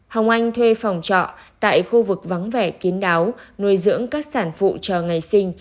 hồng anh thuê phòng trọ tại khu vực vắng vẻ kiến đáo nuôi dưỡng các sản phụ cho ngày sinh